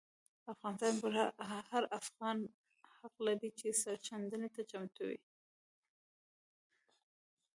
افغانستان پر هر افغان حق لري چې سرښندنې ته چمتو وي.